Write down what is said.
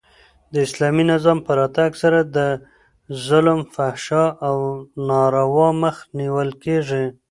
د اسلامي نظام په راتګ سره د ظلم، فحشا او ناروا مخ نیول کیږي.